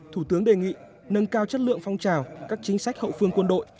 thủ tướng đề nghị nâng cao chất lượng phong trào các chính sách hậu phương quân đội